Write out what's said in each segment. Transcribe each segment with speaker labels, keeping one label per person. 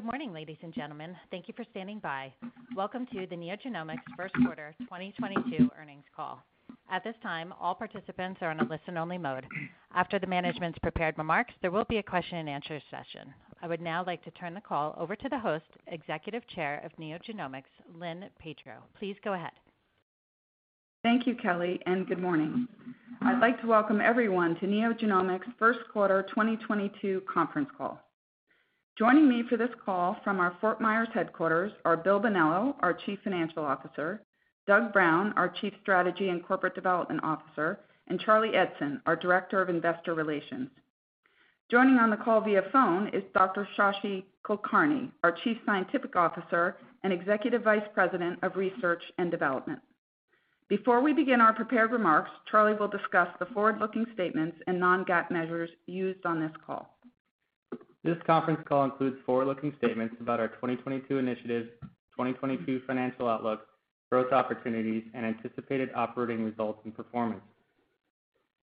Speaker 1: Good morning, ladies and gentlemen. Thank you for standing by. Welcome to the NeoGenomics First Quarter 2022 Earnings Call. At this time, all participants are in a listen-only mode. After the management's prepared remarks, there will be a Q&A session. I would now like to turn the call over to the host, Executive Chair of NeoGenomics, Lynn Tetrault. Please go ahead.
Speaker 2: Thank you, Kelly, and good morning. I'd like to welcome everyone to NeoGenomics' First Quarter 2022 Conference Call. Joining me for this call from our Fort Myers headquarters are Bill Bonello, our Chief Financial Officer, Doug Brown, our Chief Strategy and Corporate Development Officer, and Charlie Eidson, our Director of Investor Relations. Joining on the call via phone is Dr. Shashi Kulkarni, our Chief Scientific Officer and Executive Vice President of Research and Development. Before we begin our prepared remarks, Charlie will discuss the forward-looking statements and non-GAAP measures used on this call.
Speaker 3: This conference call includes forward-looking statements about our 2022 initiatives, 2022 financial outlook, growth opportunities, and anticipated operating results and performance.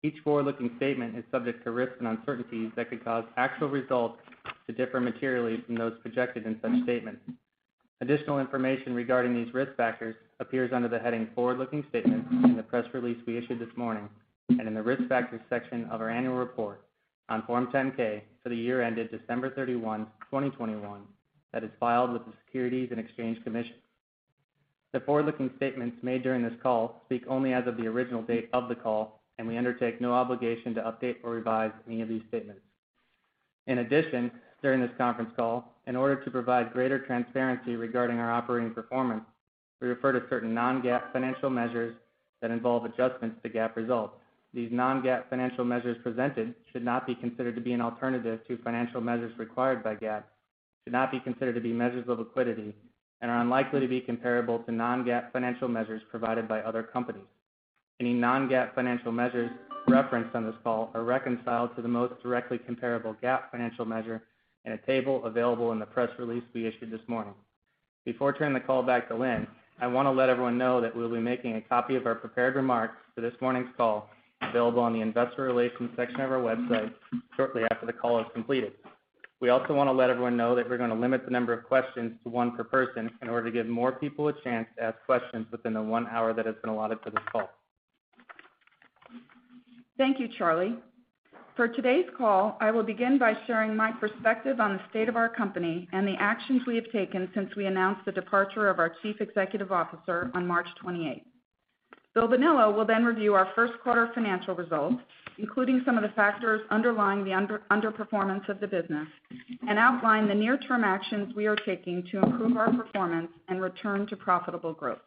Speaker 3: Each forward-looking statement is subject to risks and uncertainties that could cause actual results to differ materially from those projected in such statements. Additional information regarding these risk factors appears under the heading Forward-Looking Statements in the press release we issued this morning and in the Risk Factors section of our annual report on Form 10-K for the year ended December 31, 2021, that is filed with the SEC. The forward-looking statements made during this call speak only as of the original date of the call, and we undertake no obligation to update or revise any of these statements. In addition, during this conference call, in order to provide greater transparency regarding our operating performance, we refer to certain non-GAAP financial measures that involve adjustments to GAAP results. These non-GAAP financial measures presented should not be considered to be an alternative to financial measures required by GAAP, should not be considered to be measures of liquidity, and are unlikely to be comparable to non-GAAP financial measures provided by other companies. Any non-GAAP financial measures referenced on this call are reconciled to the most directly comparable GAAP financial measure in a table available in the press release we issued this morning. Before turning the call back to Lynn, I want to let everyone know that we'll be making a copy of our prepared remarks for this morning's call available on the investor relations section of our website shortly after the call is completed. We also want to let everyone know that we're going to limit the number of questions to one per person in order to give more people a chance to ask questions within the 1 hour that has been allotted for this call.
Speaker 2: Thank you, Charlie. For today's call, I will begin by sharing my perspective on the state of our company and the actions we have taken since we announced the departure of our Chief Executive Officer on March 28th. Bill Bonello will then review our first quarter financial results, including some of the factors underlying the underperformance of the business, and outline the near-term actions we are taking to improve our performance and return to profitable growth.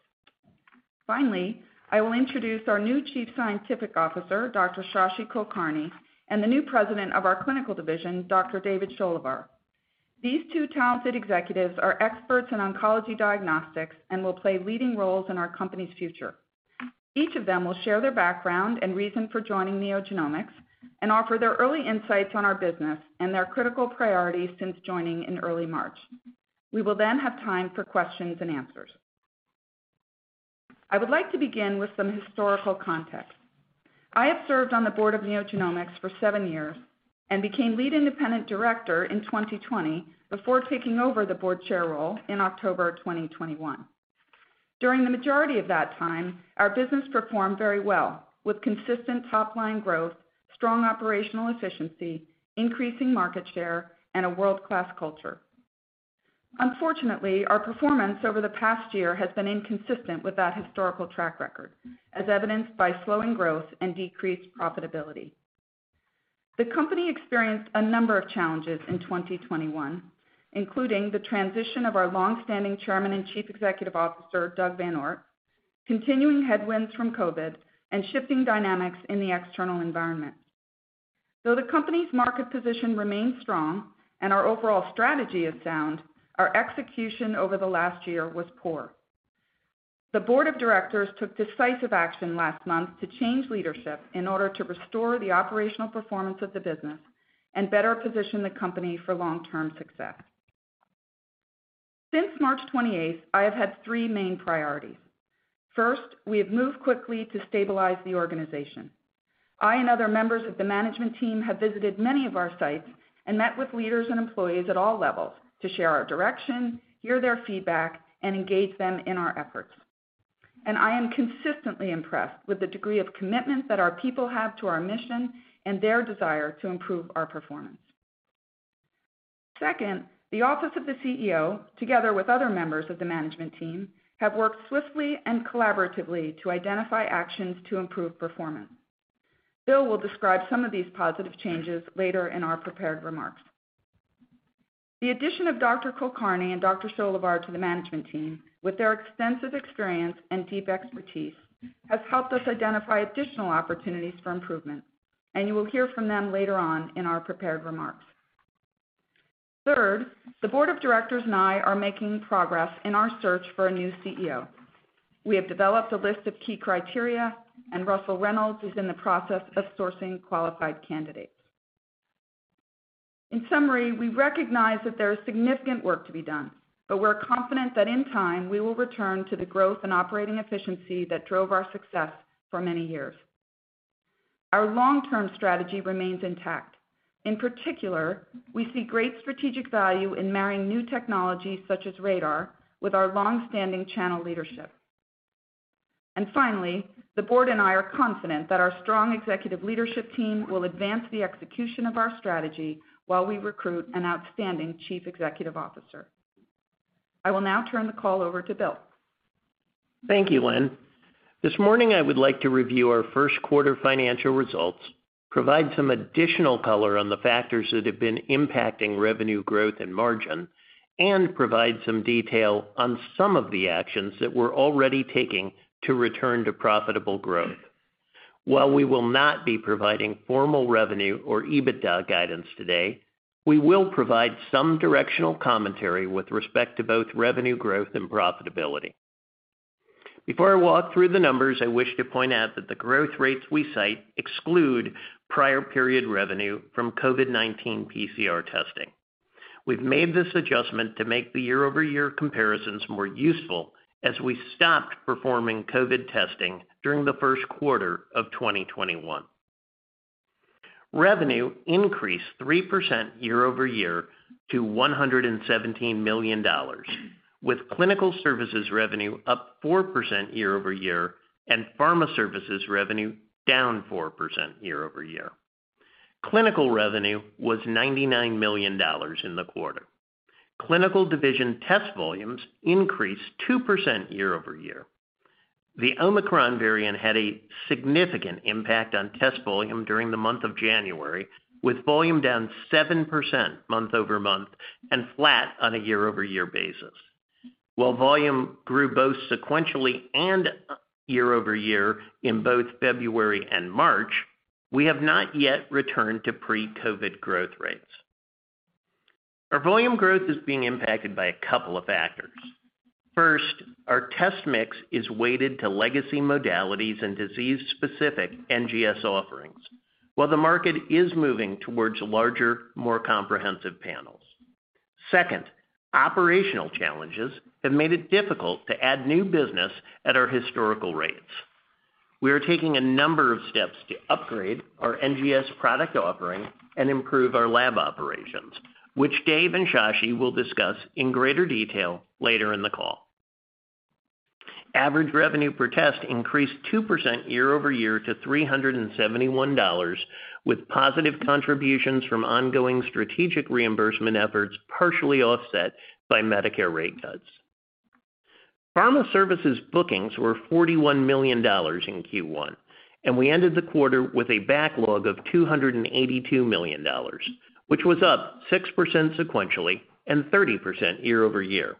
Speaker 2: Finally, I will introduce our new Chief Scientific Officer, Dr. Shashi Kulkarni, and the new President of our Clinical Division, Dr. David Sholehvar. These two talented executives are experts in oncology diagnostics and will play leading roles in our company's future. Each of them will share their background and reason for joining NeoGenomics and offer their early insights on our business and their critical priorities since joining in early March. We will then have time for Q&A. I would like to begin with some historical context. I have served on the board of NeoGenomics for seven years and became lead independent director in 2020 before taking over the board chair role in October 2021. During the majority of that time, our business performed very well, with consistent top-line growth, strong operational efficiency, increasing market share, and a world-class culture. Unfortunately, our performance over the past year has been inconsistent with that historical track record, as evidenced by slowing growth and decreased profitability. The company experienced a number of challenges in 2021, including the transition of our long-standing chairman and chief executive officer, Doug VanOort, continuing headwinds from COVID, and shifting dynamics in the external environment. Though the company's market position remains strong and our overall strategy is sound, our execution over the last year was poor. The board of directors took decisive action last month to change leadership in order to restore the operational performance of the business and better position the company for long-term success. Since March 28th, I have had three main priorities. First, we have moved quickly to stabilize the organization. I and other members of the management team have visited many of our sites and met with leaders and employees at all levels to share our direction, hear their feedback, and engage them in our efforts. I am consistently impressed with the degree of commitment that our people have to our mission and their desire to improve our performance. Second, the office of the CEO, together with other members of the management team, have worked swiftly and collaboratively to identify actions to improve performance. Bill will describe some of these positive changes later in our prepared remarks. The addition of Dr. Kulkarni and Dr. Sholehvar to the management team with their extensive experience and deep expertise, has helped us identify additional opportunities for improvement, and you will hear from them later on in our prepared remarks. Third, the board of directors and I are making progress in our search for a new CEO. We have developed a list of key criteria, and Russell Reynolds is in the process of sourcing qualified candidates. In summary, we recognize that there is significant work to be done, but we're confident that in time, we will return to the growth and operating efficiency that drove our success for many years. Our long-term strategy remains intact. In particular, we see great strategic value in marrying new technologies such as RaDaR with our long-standing channel leadership. Finally, the board and I are confident that our strong executive leadership team will advance the execution of our strategy while we recruit an outstanding Chief Executive Officer. I will now turn the call over to Bill.
Speaker 4: Thank you, Lynn. This morning, I would like to review our first quarter financial results, provide some additional color on the factors that have been impacting revenue growth and margin, and provide some detail on some of the actions that we're already taking to return to profitable growth. While we will not be providing formal revenue or Adjusted EBITDA guidance today, we will provide some directional commentary with respect to both revenue growth and profitability. Before I walk through the numbers, I wish to point out that the growth rates we cite exclude prior period revenue from COVID-19 PCR testing. We've made this adjustment to make the YoY comparisons more useful as we stopped performing COVID testing during the first quarter of 2021. Revenue increased 3% YoY to $117 million, with clinical services revenue up 4% YoY, and pharma services revenue down 4% YoY. Clinical revenue was $99 million in the quarter. Clinical division test volumes increased 2% YoY. The Omicron variant had a significant impact on test volume during the month of January, with volume down 7% month-over-month and flat on a YoY basis. While volume grew both sequentially and YoY in both February and March, we have not yet returned to pre-COVID growth rates. Our volume growth is being impacted by a couple of factors. First, our test mix is weighted to legacy modalities and disease-specific NGS offerings, while the market is moving towards larger, more comprehensive panels. Second, operational challenges have made it difficult to add new business at our historical rates. We are taking a number of steps to upgrade our NGS product offering and improve our lab operations, which Dave and Shashi will discuss in greater detail later in the call. Average revenue per test increased 2% YoY to $371, with positive contributions from ongoing strategic reimbursement efforts partially offset by Medicare rate cuts. Pharma services bookings were $41 million in Q1, and we ended the quarter with a backlog of $282 million, which was up 6% sequentially and 30% YoY.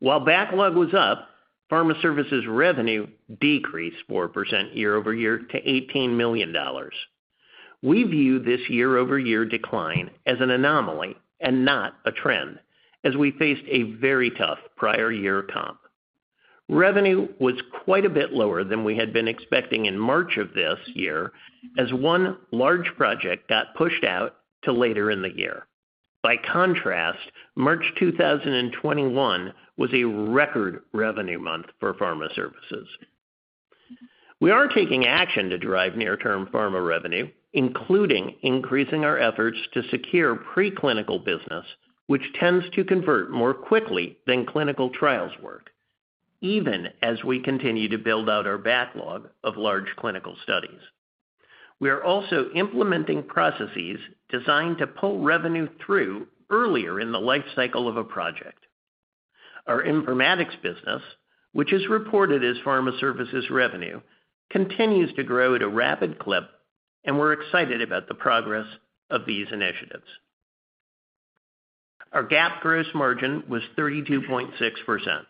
Speaker 4: While backlog was up, pharma services revenue decreased 4% YoY to $18 million. We view this YoY decline as an anomaly and not a trend as we faced a very tough prior year comp. Revenue was quite a bit lower than we had been expecting in March of this year as one large project got pushed out to later in the year. By contrast, March 2021 was a record revenue month for pharma services. We are taking action to drive near-term pharma revenue, including increasing our efforts to secure preclinical business, which tends to convert more quickly than clinical trials work, even as we continue to build out our backlog of large clinical studies. We are also implementing processes designed to pull revenue through earlier in the life cycle of a project. Our informatics business, which is reported as pharma services revenue, continues to grow at a rapid clip, and we're excited about the progress of these initiatives. Our GAAP gross margin was 32.6%.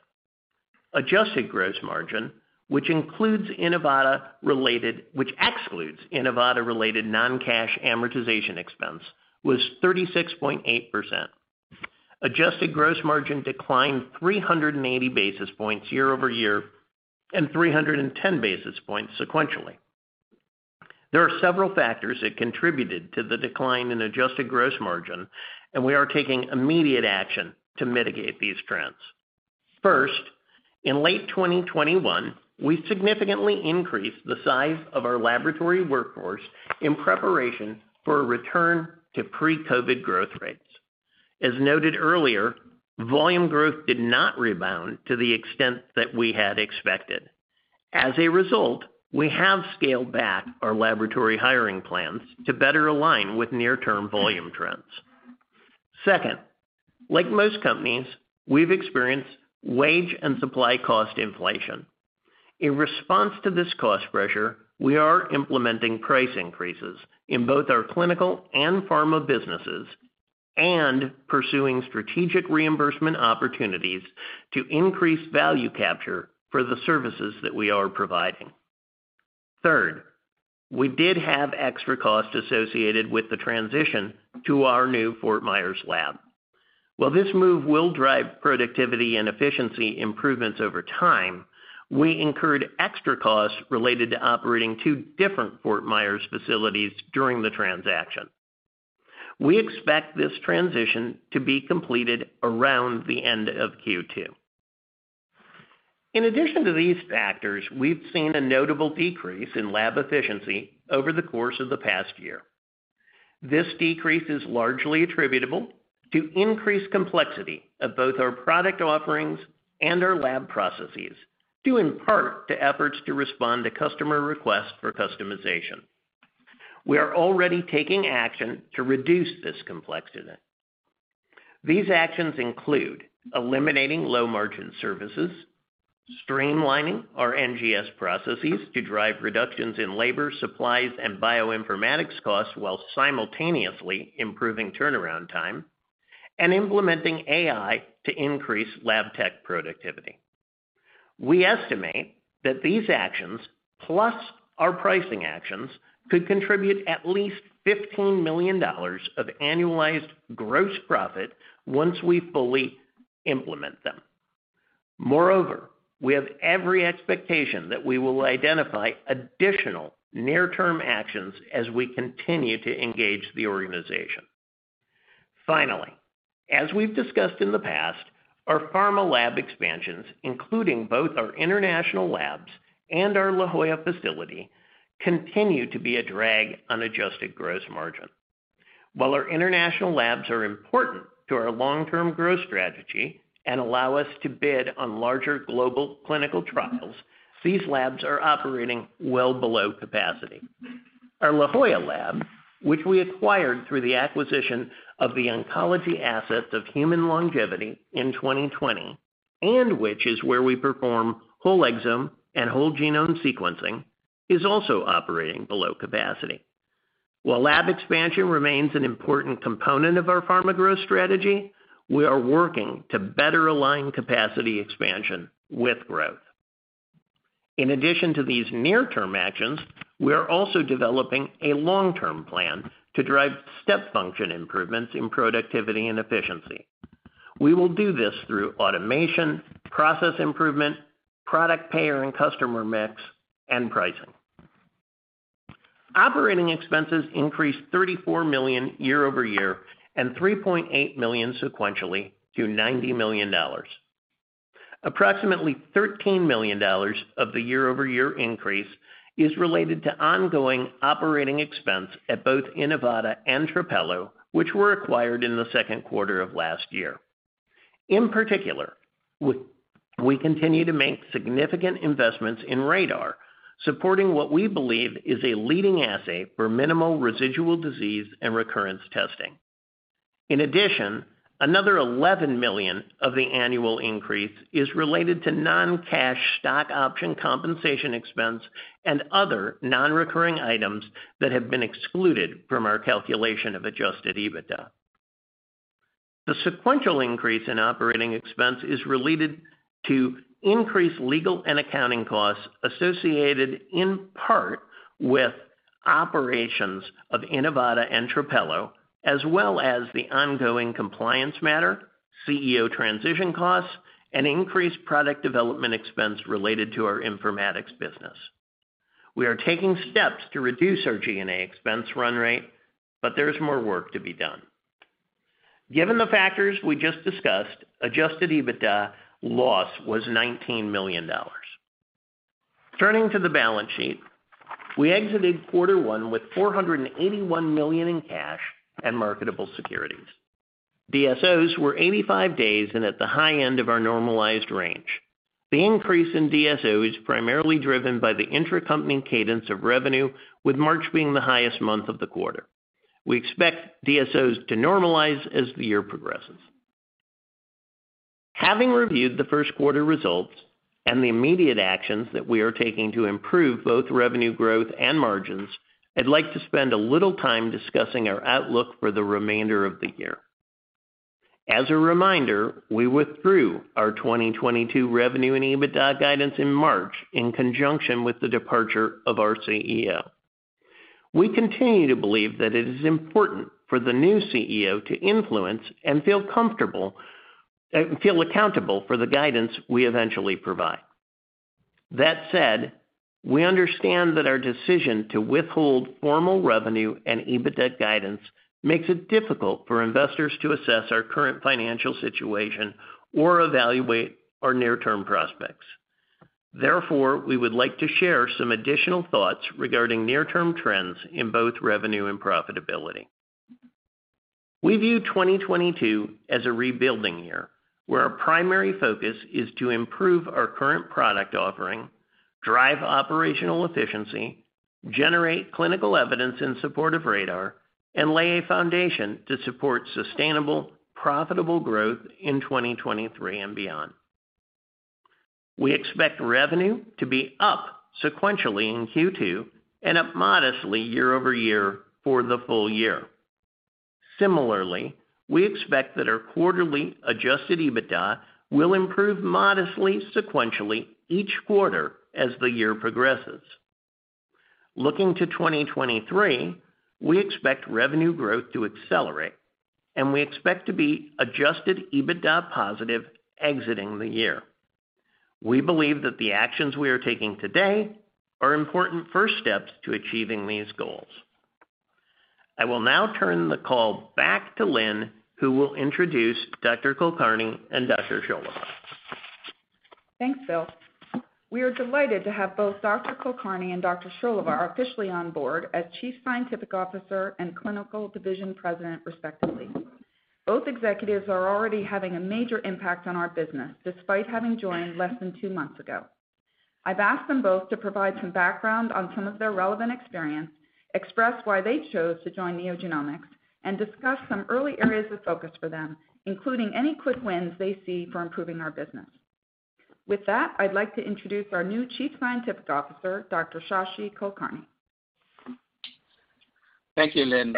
Speaker 4: Adjusted gross margin, which includes Inivata related which excludes Inivata related non-cash amortization expense, was 36.8%. Adjusted gross margin declined 380 basis points YoY and 310 basis points sequentially. There are several factors that contributed to the decline in Adjusted gross margin, and we are taking immediate action to mitigate these trends. First, in late 2021, we significantly increased the size of our laboratory workforce in preparation for a return to pre-COVID growth rates. As noted earlier, volume growth did not rebound to the extent that we had expected. As a result, we have scaled back our laboratory hiring plans to better align with near-term volume trends. Second, like most companies, we've experienced wage and supply cost inflation. In response to this cost pressure, we are implementing price increases in both our clinical and pharma businesses and pursuing strategic reimbursement opportunities to increase value capture for the services that we are providing. Third, we did have extra costs associated with the transition to our new Fort Myers lab. While this move will drive productivity and efficiency improvements over time, we incurred extra costs related to operating two different Fort Myers facilities during the transaction. We expect this transition to be completed around the end of Q2. In addition to these factors, we've seen a notable decrease in lab efficiency over the course of the past year. This decrease is largely attributable to increased complexity of both our product offerings and our lab processes, due in part to efforts to respond to customer requests for customization. We are already taking action to reduce this complexity. These actions include eliminating low-margin services, streamlining our NGS processes to drive reductions in labor, supplies, and bioinformatics costs while simultaneously improving turnaround time, and implementing AI to increase lab tech productivity. We estimate that these actions, plus our pricing actions, could contribute at least $15 million of annualized gross profit once we fully implement them. Moreover, we have every expectation that we will identify additional near-term actions as we continue to engage the organization. Finally, as we've discussed in the past, our pharma lab expansions, including both our international labs and our La Jolla facility, continue to be a drag on Adjusted gross margin. While our international labs are important to our long-term growth strategy and allow us to bid on larger global clinical trials, these labs are operating well below capacity. Our La Jolla lab, which we acquired through the acquisition of the oncology assets of Human Longevity in 2020, and which is where we perform whole exome and whole genome sequencing, is also operating below capacity. While lab expansion remains an important component of our pharma growth strategy, we are working to better align capacity expansion with growth. In addition to these near-term actions, we are also developing a long-term plan to drive step function improvements in productivity and efficiency. We will do this through automation, process improvement, product, payer and customer mix, and pricing. OpExs increased $34 million YoY and $3.8 million sequentially to $90 million. Approximately $13 million of the YoY increase is related to ongoing operating expense at both Inivata and Trapelo, which were acquired in the second quarter of last year. In particular, we continue to make significant investments in RaDaR, supporting what we believe is a leading assay for minimal residual disease and recurrence testing. In addition, another $11 million of the annual increase is related to non-cash stock option compensation expense and other non-recurring items that have been excluded from our calculation of Adjusted EBITDA. The sequential increase in OpEx is related to increased legal and accounting costs associated in part with operations of Inivata and Trapelo, as well as the ongoing compliance matter, CEO transition costs, and increased product development expense related to our informatics business. We are taking steps to reduce our G&A expense run rate, but there is more work to be done. Given the factors we just discussed, Adjusted EBITDA loss was $19 million. Turning to the balance sheet, we exited quarter one with $481 million in cash and marketable securities. DSOs were 85 days and at the high end of our normalized range. The increase in DSO is primarily driven by the intercompany cadence of revenue, with March being the highest month of the quarter. We expect DSOs to normalize as the year progresses. Having reviewed the first quarter results and the immediate actions that we are taking to improve both revenue growth and margins, I'd like to spend a little time discussing our outlook for the remainder of the year. As a reminder, we withdrew our 2022 revenue and Adjusted EBITDA guidance in March in conjunction with the departure of our CEO. We continue to believe that it is important for the new CEO to influence and feel accountable for the guidance we eventually provide. That said, we understand that our decision to withhold formal revenue and Adjusted EBITDA guidance makes it difficult for investors to assess our current financial situation or evaluate our near-term prospects. Therefore, we would like to share some additional thoughts regarding near-term trends in both revenue and profitability. We view 2022 as a rebuilding year, where our primary focus is to improve our current product offering, drive operational efficiency, generate clinical evidence in support of RaDaR, and lay a foundation to support sustainable, profitable growth in 2023 and beyond. We expect revenue to be up sequentially in Q2 and up modestly year over year for the full year. Similarly, we expect that our quarterly Adjusted EBITDA will improve modestly sequentially each quarter as the year progresses. Looking to 2023, we expect revenue growth to accelerate, and we expect to be Adjusted EBITDA positive exiting the year. We believe that the actions we are taking today are important first steps to achieving these goals. I will now turn the call back to Lynn, who will introduce Dr. Kulkarni and Dr. Sholehvar.
Speaker 2: Thanks, Bill. We are delighted to have both Dr. Kulkarni and Dr. Sholehvar officially on board as Chief Scientific Officer and Clinical Services Division President respectively. Both executives are already having a major impact on our business despite having joined less than two months ago. I've asked them both to provide some background on some of their relevant experience, express why they chose to join NeoGenomics, and discuss some early areas of focus for them, including any quick wins they see for improving our business. With that, I'd like to introduce our new Chief Scientific Officer, Dr. Shashi Kulkarni.
Speaker 5: Thank you, Lynn.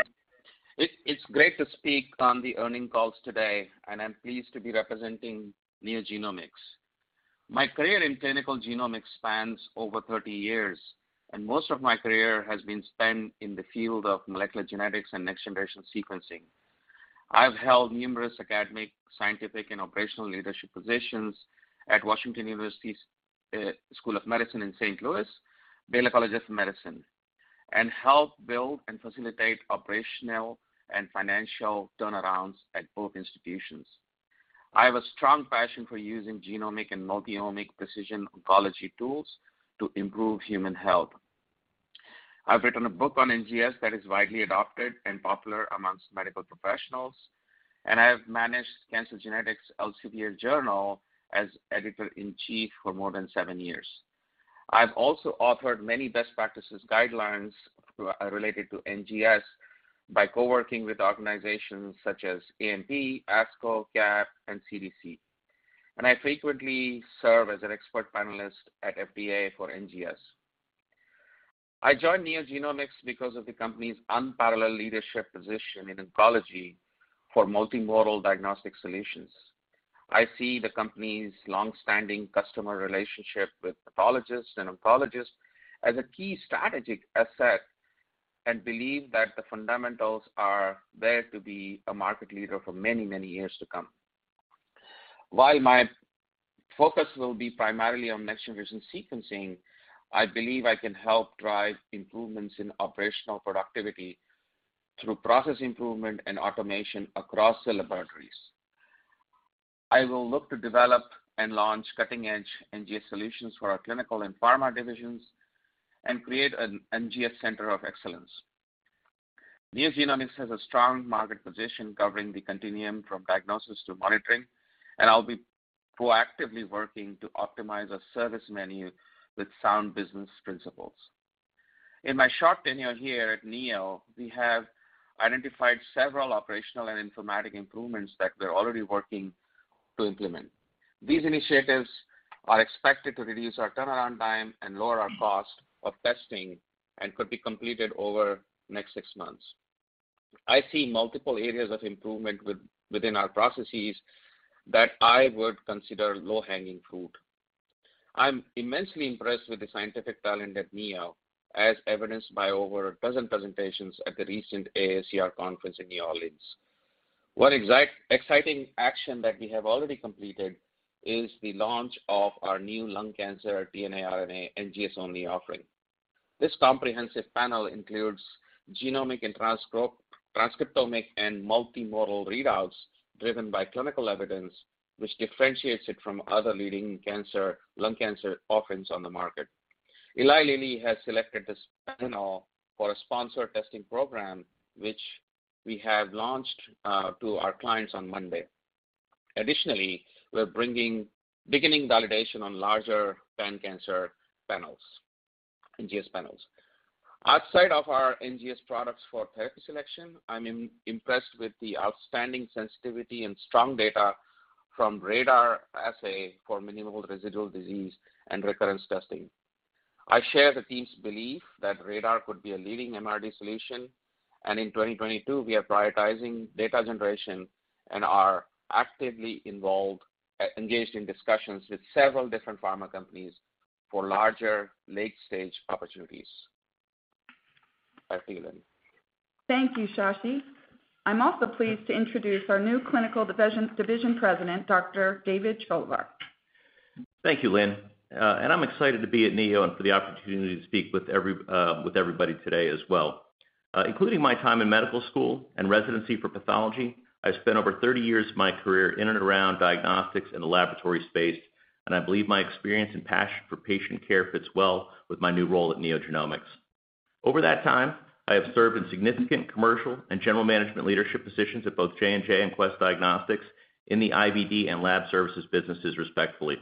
Speaker 5: It's great to speak on the earnings call today, and I'm pleased to be representing NeoGenomics. My career in clinical genomics spans over 30 years, and most of my career has been spent in the field of molecular genetics and next-generation sequencing. I've held numerous academic, scientific, and operational leadership positions at Washington University's School of Medicine in St. Louis, Baylor College of Medicine, and helped build and facilitate operational and financial turnarounds at both institutions. I have a strong passion for using genomic and multi-omic precision oncology tools to improve human health. I've written a book on NGS that is widely adopted and popular among medical professionals, and I have managed Cancer Genetics Elsevier Journal as editor-in-chief for more than seven years. I've also authored many best practices guidelines related to NGS by working with organizations such as AMP, ASCO, CAP, and CDC. I frequently serve as an expert panelist at FDA for NGS. I joined NeoGenomics because of the company's unparalleled leadership position in oncology for multimodal diagnostic solutions. I see the company's long-standing customer relationship with pathologists and oncologists as a key strategic asset and believe that the fundamentals are there to be a market leader for many, many years to come. While my focus will be primarily on next-generation sequencing, I believe I can help drive improvements in operational productivity through process improvement and automation across the laboratories. I will look to develop and launch cutting-edge NGS solutions for our clinical and pharma divisions and create an NGS center of excellence. NeoGenomics has a strong market position covering the continuum from diagnosis to monitoring, and I'll be proactively working to optimize a service menu with sound business principles. In my short tenure here at Neo, we have identified several operational and informatics improvements that we're already working to implement. These initiatives are expected to reduce our turnaround time and lower our cost of testing and could be completed over the next six months. I see multiple areas of improvement within our processes that I would consider low-hanging fruit. I'm immensely impressed with the scientific talent at Neo, as evidenced by over a dozen presentations at the recent AACR conference in New Orleans. One exciting action that we have already completed is the launch of our new lung cancer DNA/RNA NGS-only offering. This comprehensive panel includes genomic and transcriptomic and multimodal readouts driven by clinical evidence, which differentiates it from other leading lung cancer offerings on the market. Eli Lilly has selected this panel for a sponsored testing program, which we have launched to our clients on Monday. We're beginning validation on larger lung cancer panels, NGS panels. Outside of our NGS products for therapy selection, I'm impressed with the outstanding sensitivity and strong data from RaDaR assay for minimal residual disease and recurrence testing. I share the team's belief that RaDaR could be a leading MRD solution, and in 2022, we are prioritizing data generation and are actively engaged in discussions with several different pharma companies for larger late-stage opportunities. Back to you, Lynn.
Speaker 2: Thank you, Shashi. I'm also pleased to introduce our new clinical divisions, division president, Dr. David Sholehvar.
Speaker 6: Thank you, Lynn. I'm excited to be at Neo and for the opportunity to speak with everybody today as well. Including my time in medical school and residency for pathology, I've spent over 30 years of my career in and around diagnostics in the laboratory space, and I believe my experience and passion for patient care fits well with my new role at NeoGenomics. Over that time, I have served in significant commercial and general management leadership positions at both J&J and Quest Diagnostics in the IVD and lab services businesses respectively.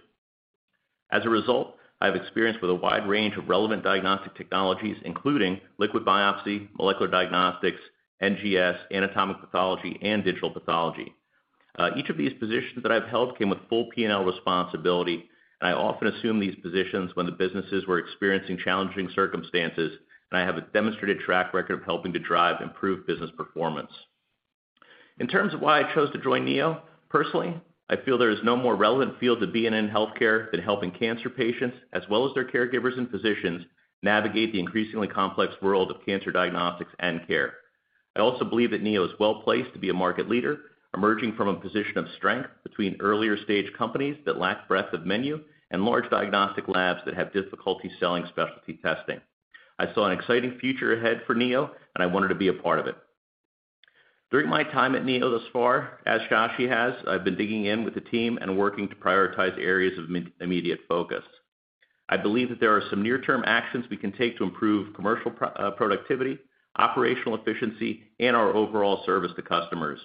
Speaker 6: As a result, I have experience with a wide range of relevant diagnostic technologies, including liquid biopsy, molecular diagnostics, NGS, anatomic pathology, and digital pathology. Each of these positions that I've held came with full P&L responsibility, and I often assume these positions when the businesses were experiencing challenging circumstances, and I have a demonstrated track record of helping to drive improved business performance. In terms of why I chose to join Neo, personally, I feel there is no more relevant field to be in in healthcare than helping cancer patients as well as their caregivers and physicians navigate the increasingly complex world of cancer diagnostics and care. I also believe that Neo is well-placed to be a market leader, emerging from a position of strength between earlier-stage companies that lack breadth of menu and large diagnostic labs that have difficulty selling specialty testing. I saw an exciting future ahead for Neo, and I wanted to be a part of it. During my time at Neo thus far, as Shashi has, I've been digging in with the team and working to prioritize areas of immediate focus. I believe that there are some near-term actions we can take to improve commercial productivity, operational efficiency, and our overall service to customers.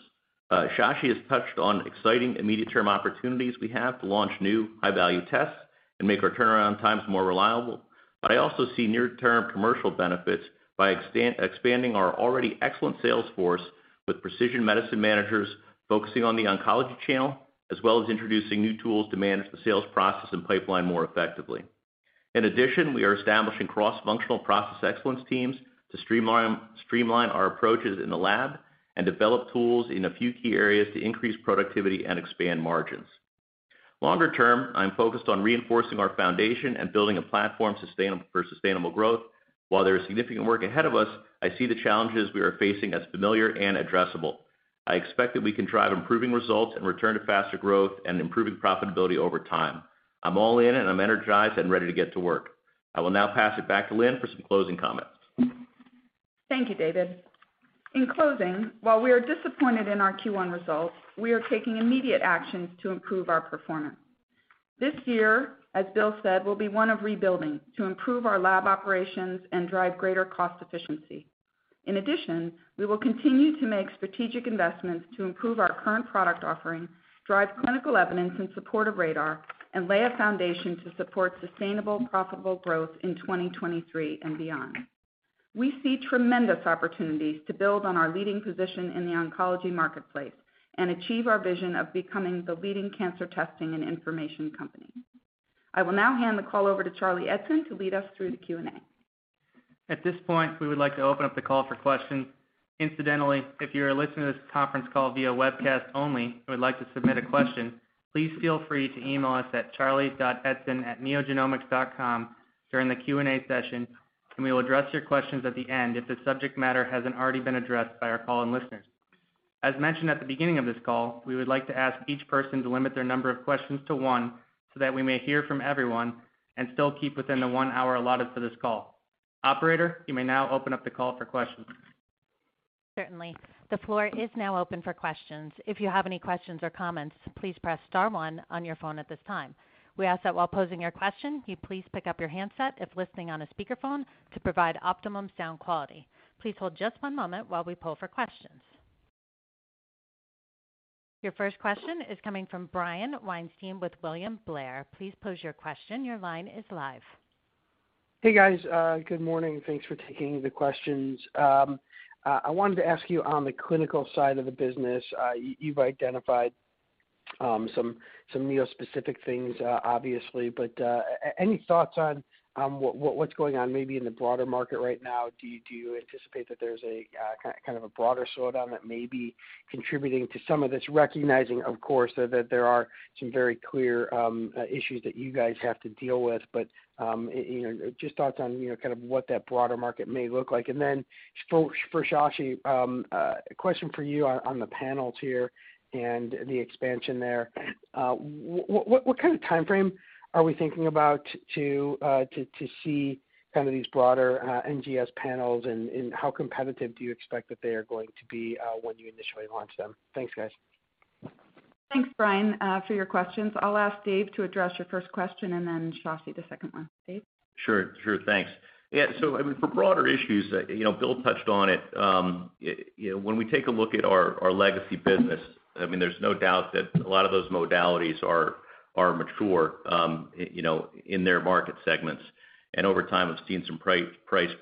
Speaker 6: Shashi has touched on exciting immediate-term opportunities we have to launch new high-value tests and make our turnaround times more reliable. I also see near-term commercial benefits by expanding our already excellent sales force with precision medicine managers focusing on the oncology channel, as well as introducing new tools to manage the sales process and pipeline more effectively. In addition, we are establishing cross-functional process excellence teams to streamline our approaches in the lab and develop tools in a few key areas to increase productivity and expand margins. Longer term, I'm focused on reinforcing our foundation and building a platform for sustainable growth. While there is significant work ahead of us, I see the challenges we are facing as familiar and addressable. I expect that we can drive improving results and return to faster growth and improving profitability over time. I'm all in, and I'm energized and ready to get to work. I will now pass it back to Lynn for some closing comments.
Speaker 2: Thank you, David. In closing, while we are disappointed in our Q1 results, we are taking immediate actions to improve our performance. This year, as Bill said, will be one of rebuilding to improve our lab operations and drive greater cost efficiency. In addition, we will continue to make strategic investments to improve our current product offering, drive clinical evidence in support of RaDaR, and lay a foundation to support sustainable, profitable growth in 2023 and beyond. We see tremendous opportunities to build on our leading position in the oncology marketplace and achieve our vision of becoming the leading cancer testing and information company. I will now hand the call over to Charlie Eidson to lead us through the Q&A.
Speaker 3: At this point, we would like to open up the call for questions. Incidentally, if you are listening to this conference call via webcast only and would like to submit a question, please feel free to email us at charlie.eidson@neogenomics.com during the Q&A session, and we will address your questions at the end if the subject matter hasn't already been addressed by our call-in listeners. As mentioned at the beginning of this call, we would like to ask each person to limit their number of questions to one so that we may hear from everyone and still keep within the one hour allotted for this call. Operator, you may now open up the call for questions.
Speaker 1: Certainly. The floor is now open for questions. If you have any questions or comments, please press star one on your phone at this time. We ask that while posing your question, you please pick up your handset if listening on a speakerphone to provide optimum sound quality. Please hold just one moment while we poll for questions. Your first question is coming from Brian Weinstein with William Blair. Please pose your question. Your line is live.
Speaker 7: Hey, guys. Good morning. Thanks for taking the questions. I wanted to ask you on the clinical side of the business, you've identified some Neo-specific things, obviously, but any thoughts on what's going on maybe in the broader market right now? Do you anticipate that there's a kind of a broader slowdown that may be contributing to some of this, recognizing, of course, that there are some very clear issues that you guys have to deal with, but you know, just thoughts on you know, kind of what that broader market may look like. For Shashi, question for you on the panels here and the expansion there. What kind of time frame are we thinking about to see kind of these broader NGS panels and how competitive do you expect that they are going to be when you initially launch them? Thanks, guys.
Speaker 2: Thanks, Brian, for your questions. I'll ask Dave to address your first question and then Shashi, the second one. Dave?
Speaker 6: Sure, sure. Thanks. Yeah. I mean, for broader issues, you know, Bill touched on it. You know, when we take a look at our legacy business, I mean, there's no doubt that a lot of those modalities are mature, you know, in their market segments. Over time, I've seen some price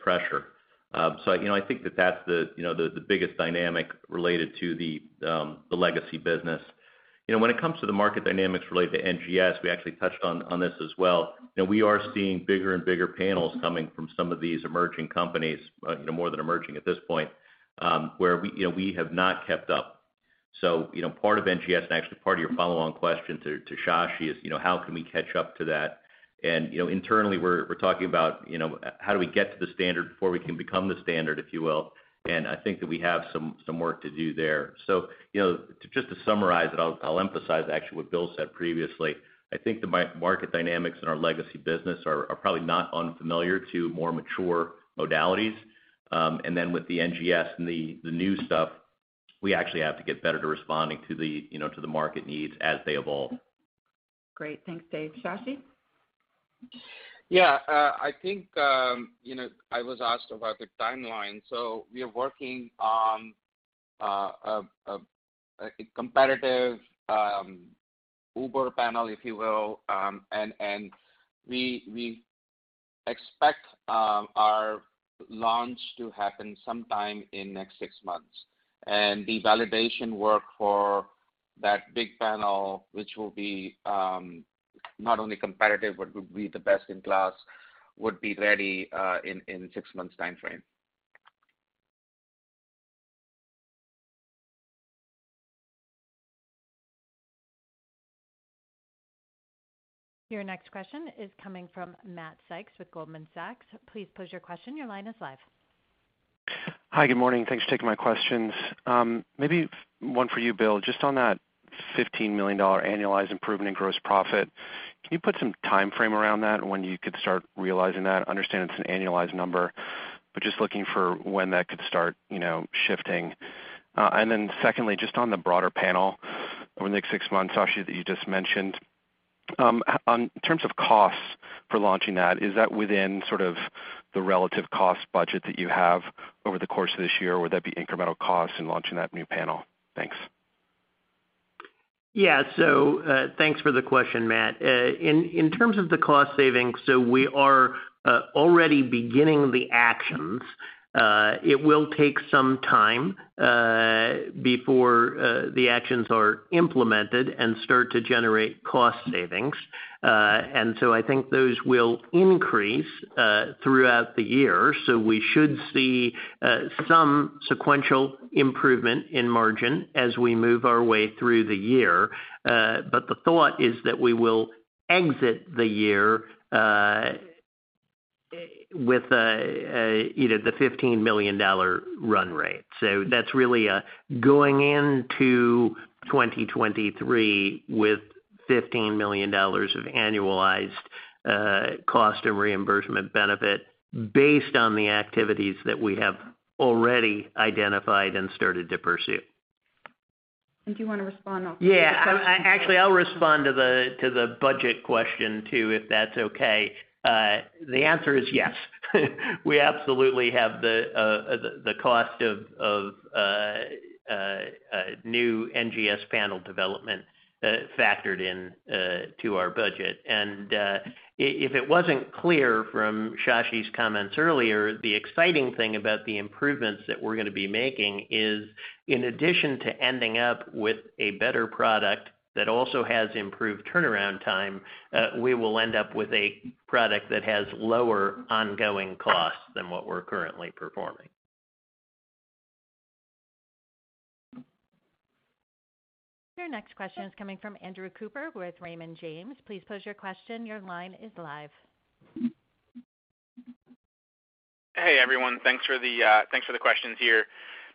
Speaker 6: pressure. You know, I think that that's the biggest dynamic related to the legacy business. You know, when it comes to the market dynamics related to NGS, we actually touched on this as well. You know, we are seeing bigger and bigger panels coming from some of these emerging companies, you know, more than emerging at this point, where we, you know, we have not kept up. You know, part of NGS and actually part of your follow-on question to Shashi is, you know, how can we catch up to that? You know, internally, we're talking about, you know, how do we get to the standard before we can become the standard, if you will. I think that we have some work to do there. You know, to just summarize it, I'll emphasize actually what Bill said previously. I think the market dynamics in our legacy business are probably not unfamiliar to more mature modalities. With the NGS and the new stuff, we actually have to get better at responding to the market needs as they evolve.
Speaker 2: Great. Thanks, Dave. Shashi?
Speaker 5: Yeah. I think you know I was asked about the timeline. We are working on a competitive uber panel, if you will. We expect our launch to happen sometime in next six months. The validation work for that big panel, which will be not only competitive, but would be the best in class, would be ready in six months' time frame.
Speaker 1: Your next question is coming from Matthew Sykes with Goldman Sachs. Please pose your question. Your line is live.
Speaker 8: Hi. Good morning. Thanks for taking my questions. Maybe one for you, Bill, just on that $15 million annualized improvement in gross profit. Can you put some timeframe around that when you could start realizing that? I understand it's an annualized number, but just looking for when that could start, you know, shifting. And then secondly, just on the broader panel over the next six months, Shashi, that you just mentioned, in terms of costs for launching that, is that within sort of the relative cost budget that you have over the course of this year? Would that be incremental costs in launching that new panel? Thanks.
Speaker 4: Yeah. So, thanks for the question, Matt. In terms of the cost savings, we are already beginning the actions. It will take some time before the actions are implemented and start to generate cost savings. I think those will increase throughout the year. We should see some sequential improvement in margin as we move our way through the year. The thought is that we will exit the year with, you know, the $15 million run rate. That's really going into 2023 with $15 million of annualized cost and reimbursement benefit based on the activities that we have already identified and started to pursue.
Speaker 2: Do you wanna respond?
Speaker 4: Yeah.
Speaker 2: On the question?
Speaker 4: Actually, I'll respond to the budget question too, if that's okay. The answer is yes. We absolutely have the cost of new NGS panel development factored in to our budget. If it wasn't clear from Shashi's comments earlier, the exciting thing about the improvements that we're gonna be making is in addition to ending up with a better product that also has improved turnaround time, we will end up with a product that has lower ongoing costs than what we're currently performing.
Speaker 1: Your next question is coming from Andrew Cooper with Raymond James. Please pose your question. Your line is live.
Speaker 9: Hey, everyone. Thanks for the questions here.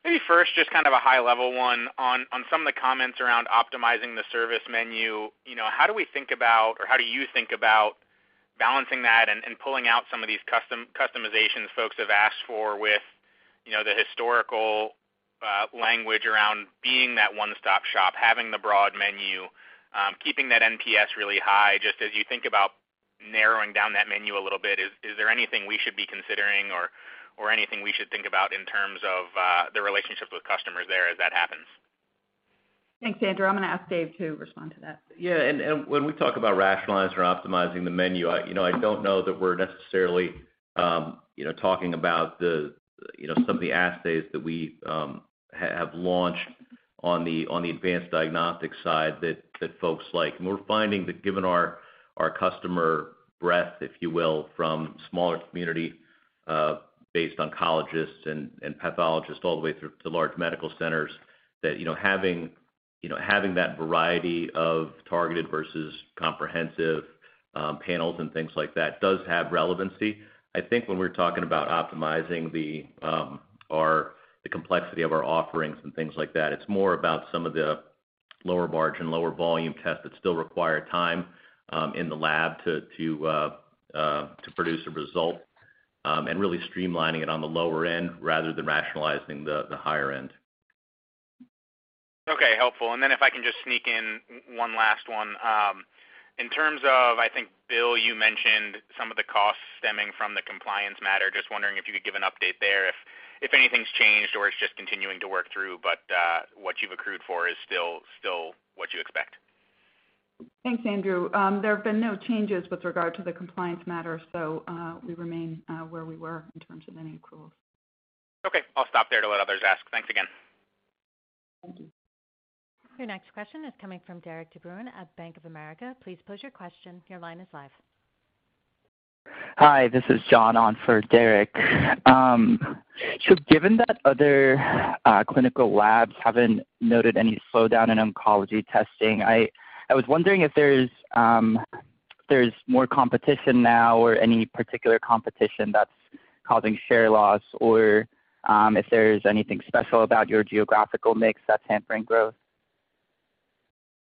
Speaker 9: Maybe first, just kind of a high-level one on some of the comments around optimizing the service menu. You know, how do we think about or how do you think about balancing that and pulling out some of these customizations folks have asked for with, you know, the historical language around being that one-stop shop, having the broad menu, keeping that NPS really high. Just as you think about narrowing down that menu a little bit, is there anything we should be considering or anything we should think about in terms of the relationship with customers there as that happens?
Speaker 2: Thanks, Andrew. I'm gonna ask Dave to respond to that.
Speaker 6: When we talk about rationalizing or optimizing the menu, you know, I don't know that we're necessarily, you know, talking about some of the assays that we have launched on the advanced diagnostic side that folks like. We're finding that given our customer breadth, if you will, from smaller community-based oncologists and pathologists all the way through to large medical centers, that you know having that variety of targeted versus comprehensive panels and things like that does have relevancy. I think when we're talking about optimizing our. The complexity of our offerings and things like that, it's more about some of the lower margin, lower volume tests that still require time in the lab to produce a result, and really streamlining it on the lower end rather than rationalizing the higher end.
Speaker 9: Okay, helpful. If I can just sneak in one last one. In terms of, I think, Bill, you mentioned some of the costs stemming from the compliance matter. Just wondering if you could give an update there, if anything's changed or it's just continuing to work through, what you've accrued for is still what you expect.
Speaker 2: Thanks, Andrew. There have been no changes with regard to the compliance matter, so we remain where we were in terms of any accruals.
Speaker 9: Okay. I'll stop there to let others ask. Thanks again.
Speaker 2: Thank you.
Speaker 1: Your next question is coming from Derik De Bruin at Bank of America. Please pose your question. Your line is live.
Speaker 10: Hi, this is John on for Derik De Bruin. Given that other clinical labs haven't noted any slowdown in oncology testing, I was wondering if there's more competition now or any particular competition that's causing share loss or if there's anything special about your geographical mix that's hampering growth?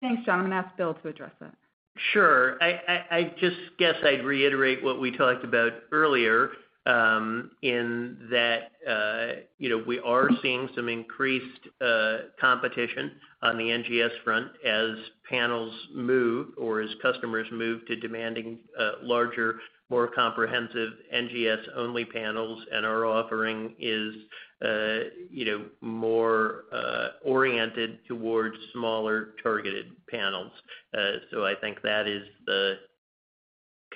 Speaker 2: Thanks, John. I'm gonna ask Bill to address that.
Speaker 4: Sure. I just guess I'd reiterate what we talked about earlier, in that, you know, we are seeing some increased competition on the NGS front as panels move or as customers move to demanding larger, more comprehensive NGS-only panels, and our offering is, you know, more oriented towards smaller targeted panels. I think that is the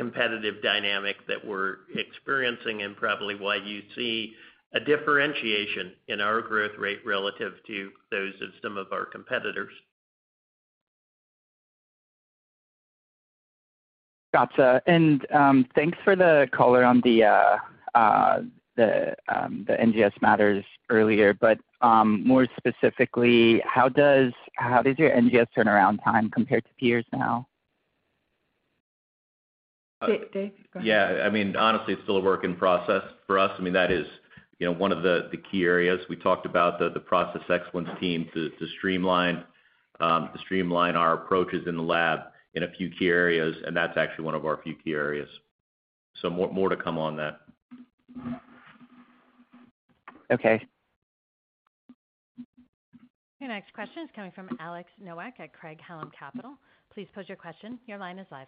Speaker 4: competitive dynamic that we're experiencing and probably why you see a differentiation in our growth rate relative to those of some of our competitors.
Speaker 10: Gotcha. Thanks for the color on the NGS matters earlier. More specifically, how does your NGS turnaround time compare to peers now?
Speaker 2: Dave, go ahead.
Speaker 6: Yeah, I mean, honestly, it's still a work in process for us. I mean, that is, you know, one of the key areas. We talked about the process excellence team to streamline our approaches in the lab in a few key areas, and that's actually one of our few key areas. More to come on that.
Speaker 10: Okay.
Speaker 1: Your next question is coming from Alex Nowak at Craig-Hallum Capital Group. Please pose your question. Your line is live.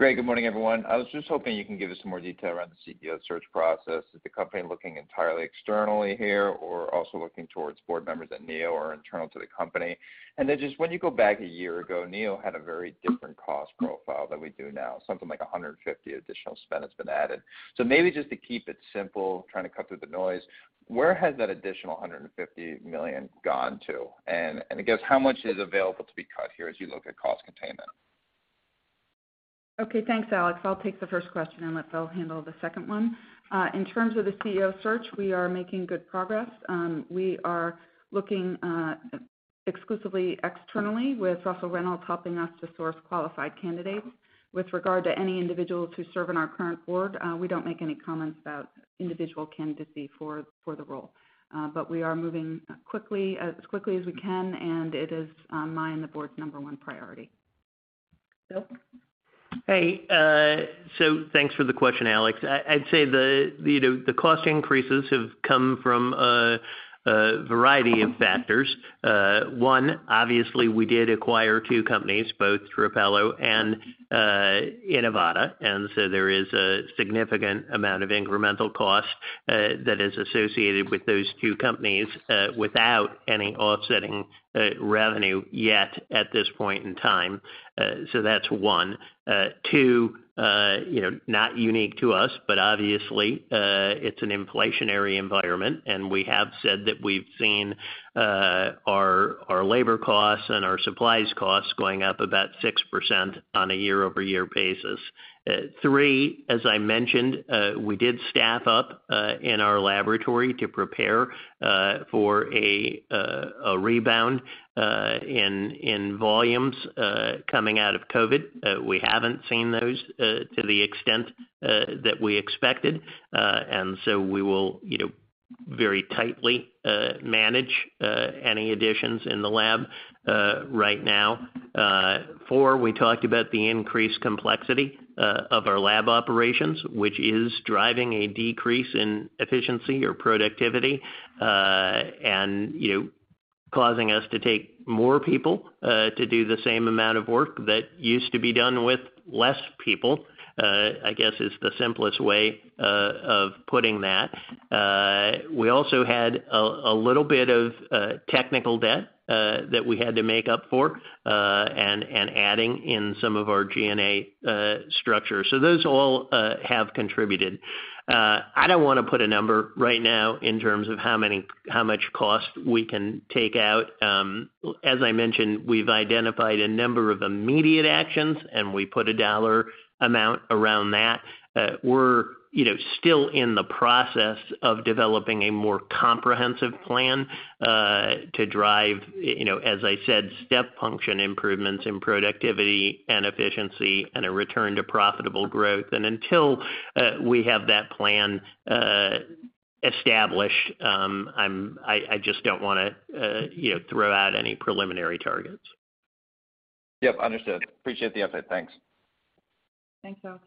Speaker 11: Great, good morning, everyone. I was just hoping you can give us some more detail around the CEO search process. Is the company looking entirely externally here, or also looking towards board members at Neo or internal to the company? Just when you go back a year ago, Neo had a very different cost profile than we do now. Something like $150 additional spend has been added. Maybe just to keep it simple, trying to cut through the noise, where has that additional $150 million gone to? I guess how much is available to be cut here as you look at cost containment?
Speaker 2: Okay. Thanks, Alex. I'll take the first question and let Bill handle the second one. In terms of the CEO search, we are making good progress. We are looking exclusively externally with Russell Reynolds Associates helping us to source qualified candidates. With regard to any individuals who serve on our current board, we don't make any comments about individual candidacy for the role. We are moving quickly, as quickly as we can, and it is mine and the board's number one priority. Bill?
Speaker 4: Hey, thanks for the question, Alex. I'd say you know, the cost increases have come from a variety of factors. One, obviously we did acquire two companies, both Trapelo and Inivata, and there is a significant amount of incremental cost that is associated with those two companies without any offsetting revenue yet at this point in time. That's one. Two, you know, not unique to us, but obviously, it's an inflationary environment, and we have said that we've seen our labor costs and our supplies costs going up about 6% on a YoY basis. Three, as I mentioned, we did staff up in our laboratory to prepare for a rebound in volumes coming out of COVID. We haven't seen those to the extent that we expected. We will, you know, very tightly manage any additions in the lab right now. Four, we talked about the increased complexity of our lab operations, which is driving a decrease in efficiency or productivity, and, you know, causing us to take more people to do the same amount of work that used to be done with less people, I guess is the simplest way of putting that. We also had a little bit of technical debt that we had to make up for, and adding in some of our G&A structure. So those all have contributed. I don't wanna put a number right now in terms of how many, how much cost we can take out. As I mentioned, we've identified a number of immediate actions, and we put a dollar amount around that. We're, you know, still in the process of developing a more comprehensive plan to drive, you know, as I said, step function improvements in productivity and efficiency and a return to profitable growth. Until we have that plan established, I just don't wanna, you know, throw out any preliminary targets.
Speaker 11: Yep, understood. Appreciate the update. Thanks.
Speaker 2: Thanks, Alex.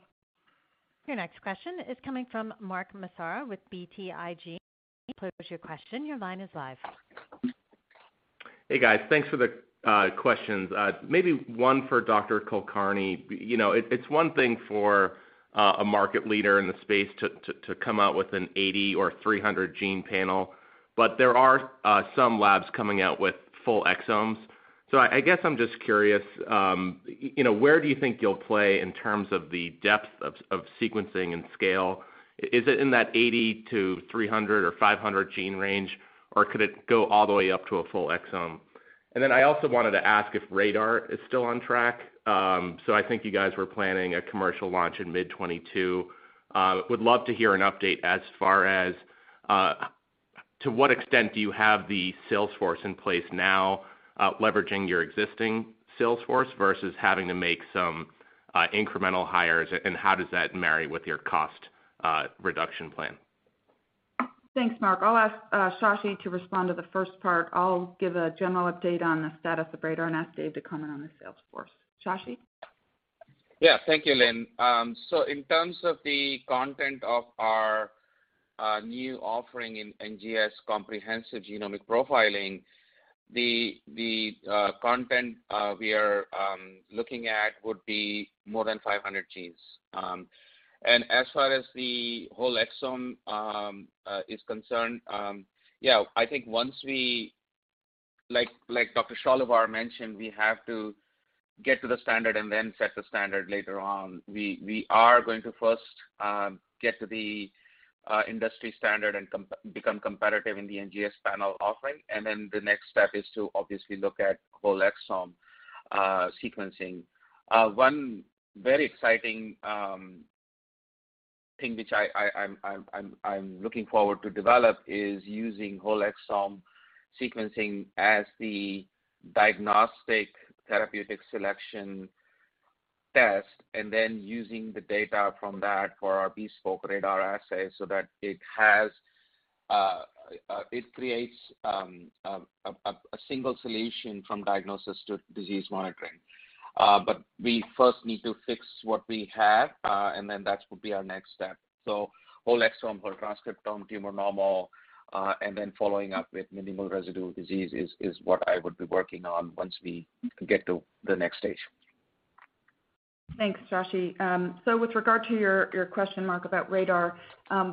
Speaker 1: Your next question is coming from Mark Massaro with BTIG. Please pose your question. Your line is live.
Speaker 12: Hey, guys. Thanks for the questions. Maybe one for Dr. Kulkarni. You know, it's one thing for a market leader in the space to come out with an 80 or 300 gene panel, but there are some labs coming out with whole exomes. I guess I'm just curious, you know, where do you think you'll play in terms of the depth of sequencing and scale? Is it in that 80 to 300 or 500 gene range, or could it go all the way up to a whole exome? Then I also wanted to ask if RaDaR is still on track. I think you guys were planning a commercial launch in mid-2022. Would love to hear an update as far as to what extent do you have the sales force in place now, leveraging your existing sales force versus having to make some incremental hires, and how does that marry with your cost reduction plan?
Speaker 2: Thanks, Mark. I'll ask Shashi to respond to the first part. I'll give a general update on the status of RaDaR and ask Dave to comment on the sales force. Shashi?
Speaker 5: Yeah. Thank you, Lynn. So in terms of the content of our new offering in NGS comprehensive genomic profiling, the content we are looking at would be more than 500 genes. As far as the whole exome is concerned, yeah, I think once we—like Dr. Sholehvar mentioned, we have to get to the standard and then set the standard later on. We are going to first get to the industry standard and become competitive in the NGS panel offering, and then the next step is to obviously look at whole exome sequencing. One very exciting, The thing which I'm looking forward to develop is using whole exome sequencing as the diagnostic therapeutic selection test, and then using the data from that for our bespoke RaDaR assay so that it creates a single solution from diagnosis to disease monitoring. We first need to fix what we have, and then that would be our next step. Whole exome for transcriptome, tumor-normal, and then following up with minimal residual disease is what I would be working on once we get to the next stage.
Speaker 2: Thanks, Shashi. With regard to your question, Mark, about RaDaR,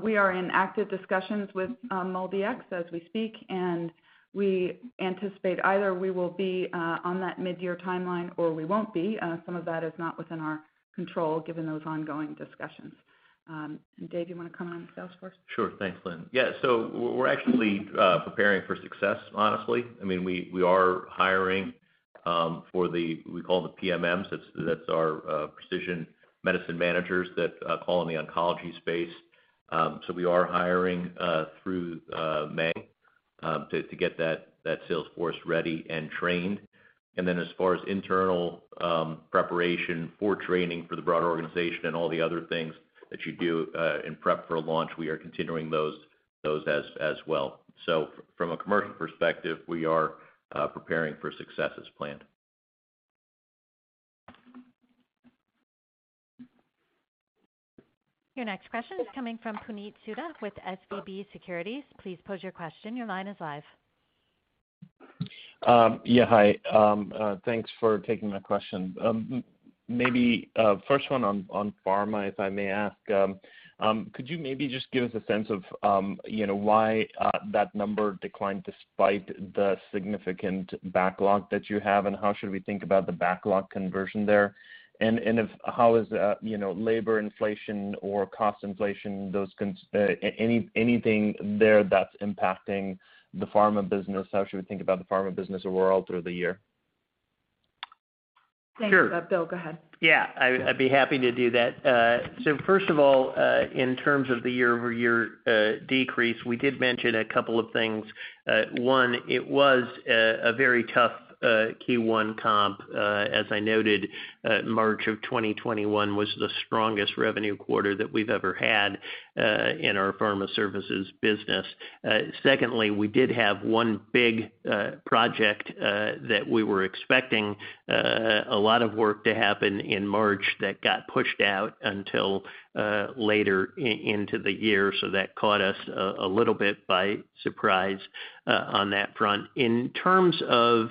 Speaker 2: we are in active discussions with MolDx as we speak, and we anticipate either we will be on that mid-year timeline or we won't be. Some of that is not within our control given those ongoing discussions. Dave, you wanna come on the sales force?
Speaker 6: Sure. Thanks, Lynn. Yeah. We're actually preparing for success, honestly. I mean, we are hiring for the PMMs. That's our precision medicine managers that call in the oncology space. We are hiring through May to get that sales force ready and trained. Then as far as internal preparation for training for the broader organization and all the other things that you do in prep for launch, we are continuing those as well. From a commercial perspective, we are preparing for success as planned.
Speaker 1: Your next question is coming from Puneet Souda with SVB Securities. Please pose your question. Your line is live.
Speaker 13: Yeah, hi. Thanks for taking my question. Maybe first one on pharma, if I may ask. Could you maybe just give us a sense of, you know, why that number declined despite the significant backlog that you have, and how should we think about the backlog conversion there? How is, you know, labor inflation or cost inflation, those, anything there that's impacting the pharma business? How should we think about the pharma business overall through the year?
Speaker 2: Thanks.
Speaker 6: Sure.
Speaker 2: Bill, go ahead.
Speaker 4: Yeah. I'd be happy to do that. First of all, in terms of the YoY decrease, we did mention a couple of things. One, it was a very tough Q1 comp. As I noted, March of 2021 was the strongest revenue quarter that we've ever had in our pharma services business. Secondly, we did have one big project that we were expecting a lot of work to happen in March that got pushed out until later into the year. That caught us a little bit by surprise on that front. In terms of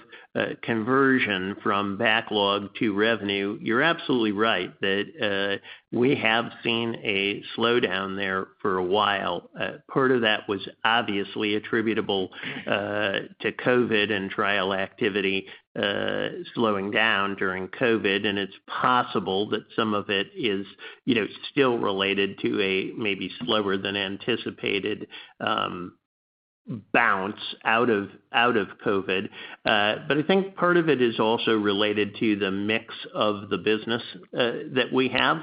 Speaker 4: conversion from backlog to revenue, you're absolutely right that we have seen a slowdown there for a while. Part of that was obviously attributable to COVID and trial activity slowing down during COVID, and it's possible that some of it is, you know, still related to a maybe slower than anticipated bounce out of COVID. I think part of it is also related to the mix of the business that we have.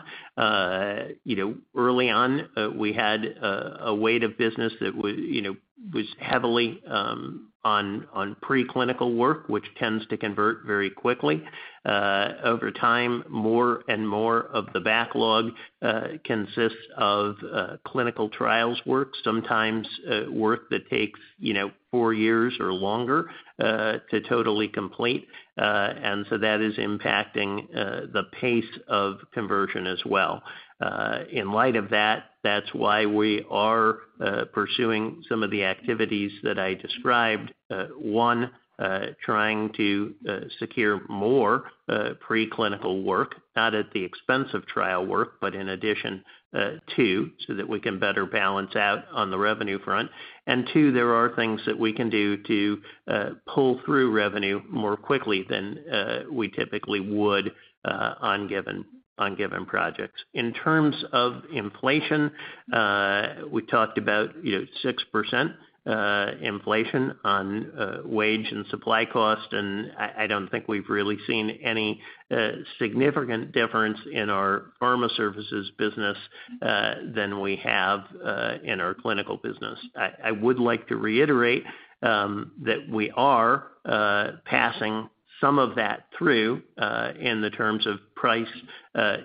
Speaker 4: You know, early on, we had a weight of business that you know was heavily on pre-clinical work, which tends to convert very quickly. Over time, more and more of the backlog consists of clinical trials work, sometimes work that takes, you know, four years or longer to totally complete. That is impacting the pace of conversion as well. In light of that's why we are pursuing some of the activities that I described. One, trying to secure more pre-clinical work, not at the expense of trial work, but in addition to so that we can better balance out on the revenue front. Two, there are things that we can do to pull through revenue more quickly than we typically would on given projects. In terms of inflation, we talked about, you know, 6% inflation on wage and supply cost, and I don't think we've really seen any significant difference in our pharma services business than we have in our clinical business. I would like to reiterate that we are passing some of that through in terms of price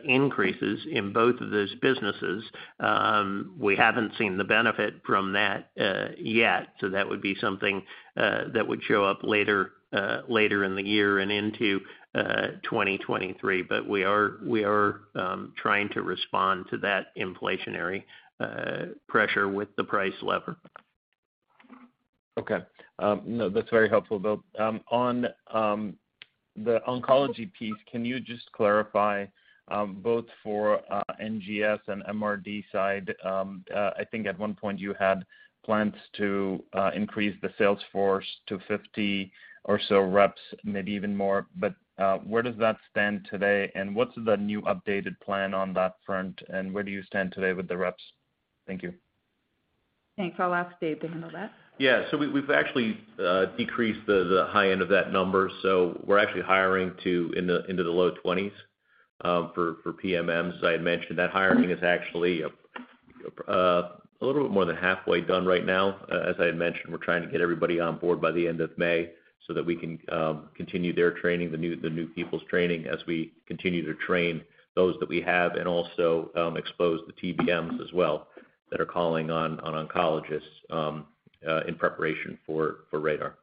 Speaker 4: increases in both of those businesses. We haven't seen the benefit from that yet, so that would be something that would show up later in the year and into 2023. We are trying to respond to that inflationary pressure with the price lever.
Speaker 13: Okay. No, that's very helpful, Bill. On the oncology piece, can you just clarify both for NGS and MRD side? I think at one point you had plans to increase the sales force to 50 or so reps, maybe even more. Where does that stand today, and what's the new updated plan on that front, and where do you stand today with the reps? Thank you.
Speaker 2: Thanks. I'll ask Dave to handle that.
Speaker 6: We've actually decreased the high end of that number. We're actually hiring into the low 20s for PMMs. As I had mentioned, that hiring is actually a little bit more than halfway done right now. As I had mentioned, we're trying to get everybody on board by the end of May so that we can continue their training, the new people's training, as we continue to train those that we have and also expose the TBMs as well, that are calling on oncologists in preparation for RaDaR.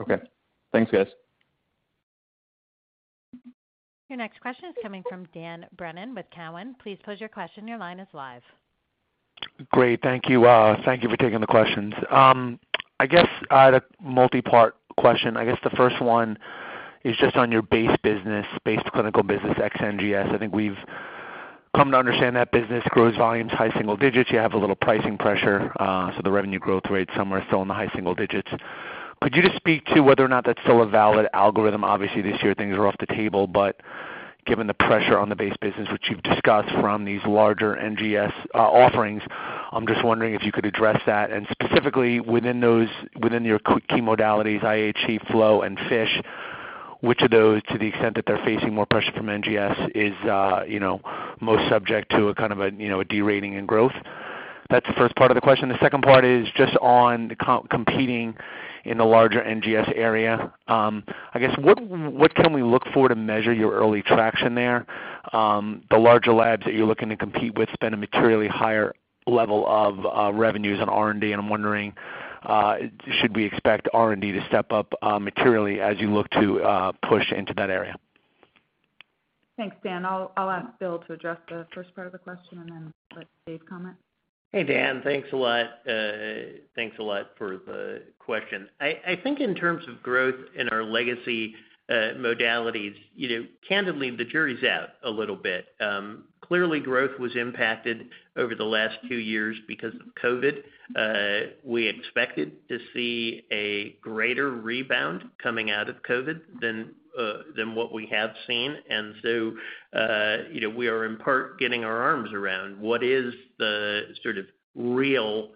Speaker 13: Okay. Thanks, guys.
Speaker 1: Your next question is coming from Dan Brennan with Cowen. Please pose your question. Your line is live.
Speaker 14: Great. Thank you. Thank you for taking the questions. I guess I had a multipart question. I guess the first one is just on your base business, base clinical business, ex NGS. I think we've come to understand that business grows volumes high single digits. You have a little pricing pressure, so the revenue growth rate somewhere still in the high single digits. Could you just speak to whether or not that's still a valid algorithm? Obviously, this year things are off the table, but given the pressure on the base business, which you've discussed from these larger NGS offerings, I'm just wondering if you could address that. Specifically within those, within your key modalities, IHC, flow, and FISH, which of those, to the extent that they're facing more pressure from NGS, is, you know, most subject to a kind of a, you know, a derating in growth? That's the first part of the question. The second part is just on competing in the larger NGS area. I guess, what can we look for to measure your early traction there? The larger labs that you're looking to compete with spend a materially higher level of revenues on R&D, and I'm wondering, should we expect R&D to step up materially as you look to push into that area?
Speaker 2: Thanks, Dan. I'll ask Bill to address the first part of the question and then let Dave comment.
Speaker 4: Hey, Dan. Thanks a lot for the question. I think in terms of growth in our legacy modalities, you know, candidly, the jury's out a little bit. Clearly, growth was impacted over the last two years because of COVID. We expected to see a greater rebound coming out of COVID than what we have seen. You know, we are in part getting our arms around what is the sort of real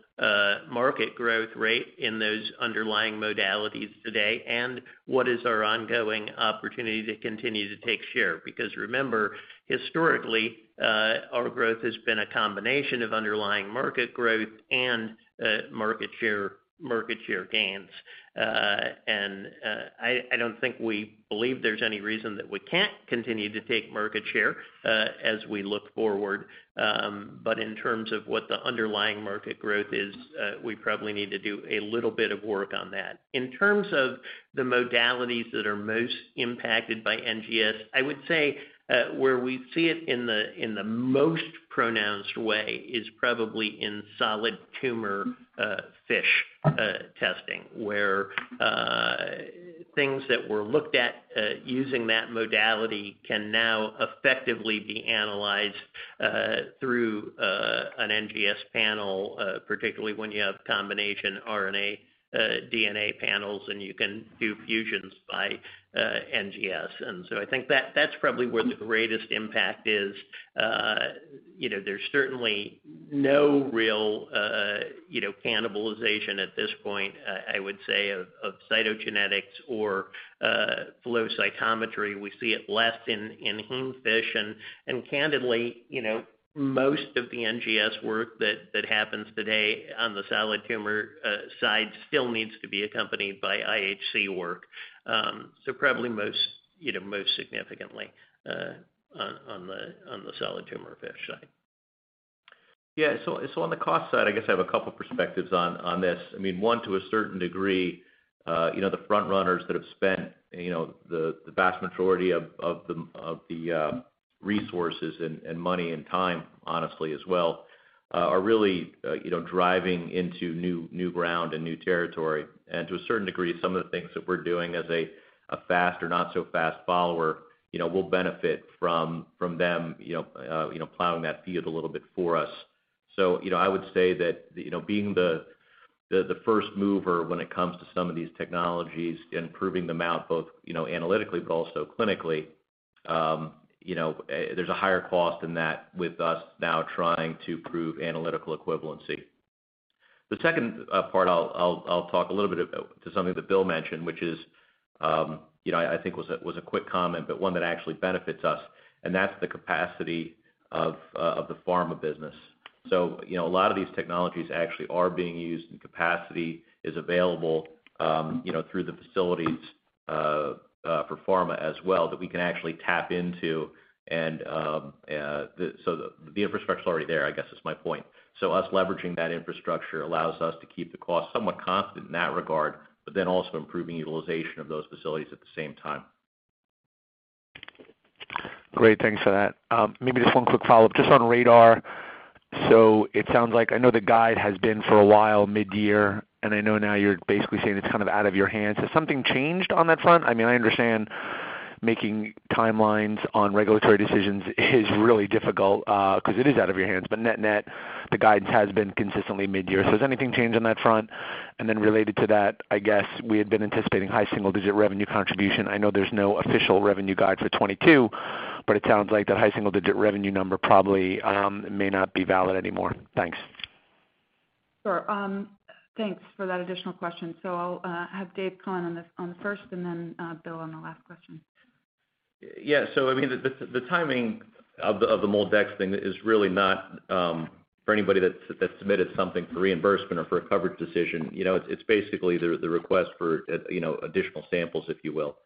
Speaker 4: market growth rate in those underlying modalities today, and what is our ongoing opportunity to continue to take share. Because remember, historically, our growth has been a combination of underlying market growth and market share gains. I don't think we believe there's any reason that we can't continue to take market share as we look forward. In terms of what the underlying market growth is, we probably need to do a little bit of work on that. In terms of the modalities that are most impacted by NGS, I would say, where we see it in the most pronounced way is probably in solid tumor FISH testing. Where, things that were looked at using that modality can now effectively be analyzed through an NGS panel, particularly when you have combination RNA DNA panels, and you can do fusions by NGS. I think that's probably where the greatest impact is. You know, there's certainly no real, you know, cannibalization at this point, I would say of cytogenetics or flow cytometry. We see it less in heme FISH. Candidly, you know, most of the NGS work that happens today on the solid tumor side still needs to be accompanied by IHC work. Probably most, you know, most significantly, on the solid tumor FISH side.
Speaker 6: On the cost side, I guess I have a couple perspectives on this. I mean, one, to a certain degree, you know, the front runners that have spent, you know, the vast majority of the resources and money and time, honestly, as well, are really, you know, driving into new ground and new territory. To a certain degree, some of the things that we're doing as a fast or not so fast follower, you know, will benefit from them, you know, plowing that field a little bit for us. You know, I would say that, you know, being the first mover when it comes to some of these technologies and proving them out both, you know, analytically but also clinically, you know, there's a higher cost in that with us now trying to prove analytical equivalency. The second part I'll talk a little bit to something that Bill mentioned, which is, you know, I think was a quick comment, but one that actually benefits us, and that's the capacity of the pharma business. You know, a lot of these technologies actually are being used, and capacity is available, you know, through the facilities for pharma as well that we can actually tap into. The infrastructure's already there, I guess is my point. Our leveraging that infrastructure allows us to keep the cost somewhat constant in that regard, but then also improving utilization of those facilities at the same time.
Speaker 14: Great. Thanks for that. Maybe just one quick follow-up, just on RaDaR. So it sounds like, I know the guide has been for a while mid-year, and I know now you're basically saying it's kind of out of your hands. Has something changed on that front? I mean, I understand making timelines on regulatory decisions is really difficult, 'cause it is out of your hands. But net-net, the guidance has been consistently mid-year. So has anything changed on that front? And then related to that, I guess we had been anticipating high single-digit revenue contribution. I know there's no official revenue guide for 2022, but it sounds like that high single-digit revenue number probably may not be valid anymore. Thanks.
Speaker 2: Sure. Thanks for that additional question. I'll have Dave comment on the first and then Bill on the last question.
Speaker 6: Yeah. I mean, the timing of the MolDx thing is really not for anybody that submitted something for reimbursement or for a coverage decision. You know, it's basically the request for, you know, additional samples, if you will,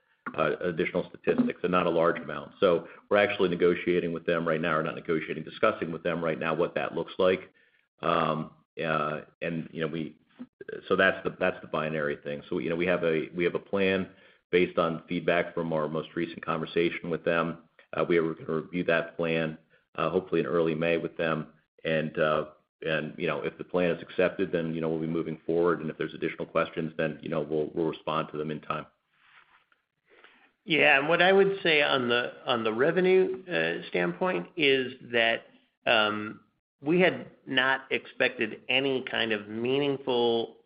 Speaker 6: additional statistics and not a large amount. We're actually discussing with them right now what that looks like. You know, that's the binary thing. You know, we have a plan based on feedback from our most recent conversation with them. We are gonna review that plan, hopefully in early May with them and, you know, if the plan is accepted, then, you know, we'll be moving forward. If there's additional questions, then, you know, we'll respond to them in time.
Speaker 4: What I would say on the revenue standpoint is that we had not expected any kind of meaningful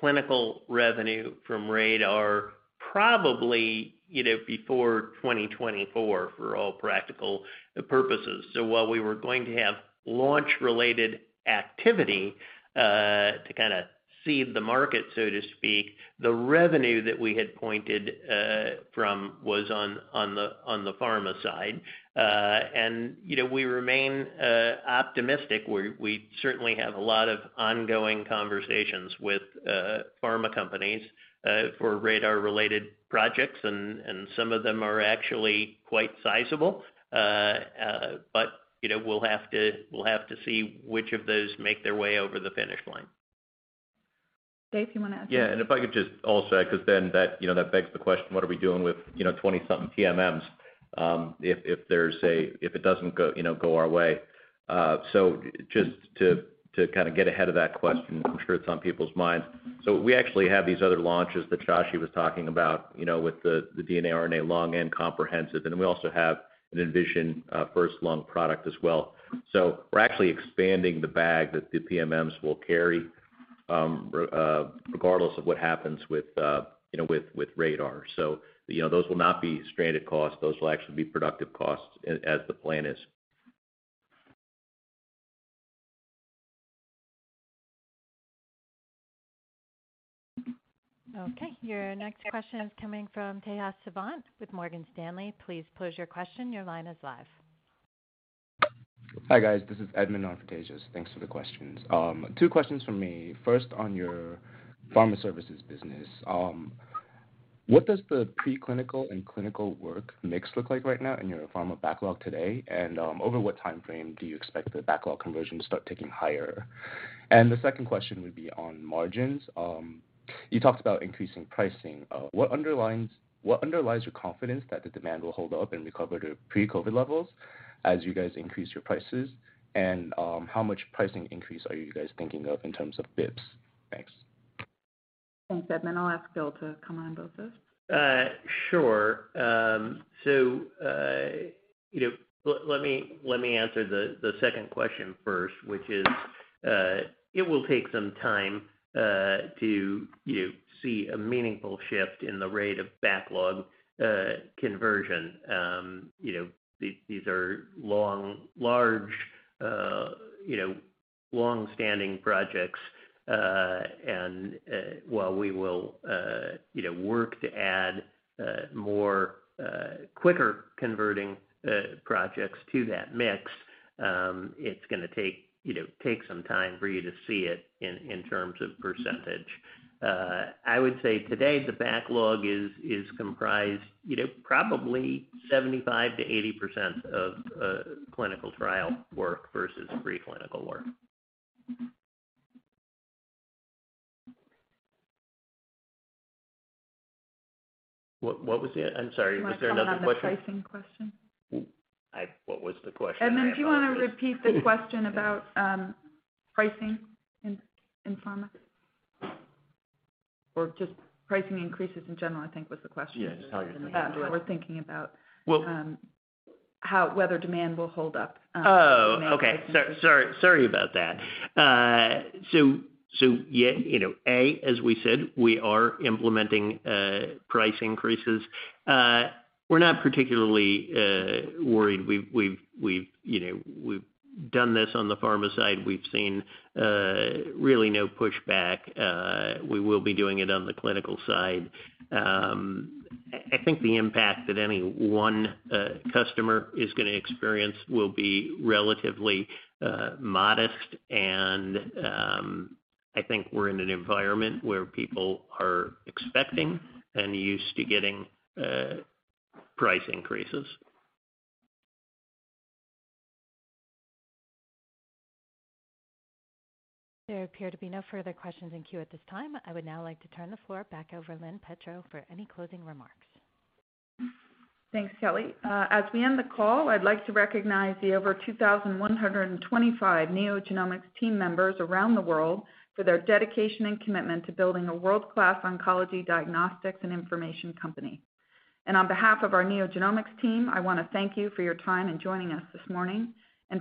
Speaker 4: clinical revenue from RaDaR probably, you know, before 2024, for all practical purposes. While we were going to have launch-related activity to kinda seed the market, so to speak, the revenue that we had pointed from was on the pharma side. We remain optimistic. We certainly have a lot of ongoing conversations with pharma companies for RaDaR-related projects, and some of them are actually quite sizable. But we will have to see which of those make their way over the finish line.
Speaker 2: Dave, you wanna add something?
Speaker 6: Yeah. If I could just also add, 'cause then that, you know, that begs the question, what are we doing with, you know, 20-something PMMs, if it doesn't go our way. Just to kinda get ahead of that question, I'm sure it's on people's minds. We actually have these other launches that Shashi was talking about, you know, with the DNA, RNA long and comprehensive. We also have an envisioned first lung product as well. We're actually expanding the bag that the PMMs will carry, regardless of what happens with, you know, with RaDaR. Those will not be stranded costs. Those will actually be productive costs as the plan is.
Speaker 1: Okay. Your next question is coming from Tejas Savant with Morgan Stanley. Please pose your question. Your line is live.
Speaker 15: Hi, guys. This is Edmond, not Tejas. Thanks for the questions. Two questions from me. First, on your pharma services business, what does the preclinical and clinical work mix look like right now in your pharma backlog today? Over what timeframe do you expect the backlog conversion to start ticking higher? The second question would be on margins. You talked about increasing pricing. What underlies your confidence that the demand will hold up and recover to pre-COVID levels as you guys increase your prices? How much pricing increase are you guys thinking of in terms of basis points? Thanks.
Speaker 2: Thanks, Edmond. I'll ask Bill to comment on both those.
Speaker 4: Sure. So, you know, let me answer the second question first, which is, it will take some time to you know, see a meaningful shift in the rate of backlog conversion. You know, these are long, large, you know, longstanding projects. While we will, you know, work to add more quicker converting projects to that mix, it's gonna take, you know, take some time for you to see it in terms of percentage. I would say today the backlog is comprised, you know, probably 75%-80% of clinical trial work versus preclinical work. What was the... I'm sorry. Is there another question?
Speaker 2: You wanna follow up with the pricing question?
Speaker 4: What was the question? I apologize.
Speaker 2: Edmond, do you wanna repeat the question about pricing in pharma? Or just pricing increases in general, I think was the question.
Speaker 15: Yeah, just how you're thinking about it.
Speaker 2: Yeah, we're thinking about whether demand will hold up.
Speaker 4: Oh, okay. Sorry about that. Yeah, you know, as we said, we are implementing price increases. We're not particularly worried. You know, we've done this on the pharma side. We've seen really no pushback. We will be doing it on the clinical side. I think the impact that any one customer is gonna experience will be relatively modest and I think we're in an environment where people are expecting and used to getting price increases.
Speaker 1: There appear to be no further questions in queue at this time. I would now like to turn the floor back over to Lynn Tetrault for any closing remarks.
Speaker 2: Thanks, Kelly. As we end the call, I'd like to recognize the over 2,125 NeoGenomics team members around the world for their dedication and commitment to building a world-class oncology diagnostics and information company. On behalf of our NeoGenomics team, I wanna thank you for your time in joining us this morning.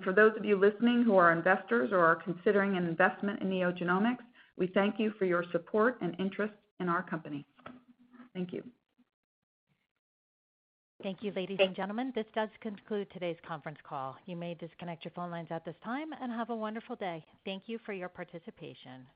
Speaker 2: For those of you listening who are investors or are considering an investment in NeoGenomics, we thank you for your support and interest in our company. Thank you.
Speaker 1: Thank you, ladies and gentlemen. This does conclude today's conference call. You may disconnect your phone lines at this time, and have a wonderful day. Thank you for your participation.